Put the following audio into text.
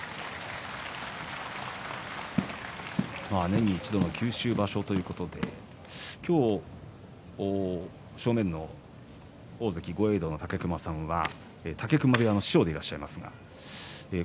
年に一度の九州場所ということで今日、正面の大関豪栄道の武隈さんは武隈部屋の師匠でいらっしゃいます。